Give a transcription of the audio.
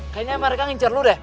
kayaknya mereka ngincar lu deh